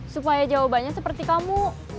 supaya jawabannya seperti kamu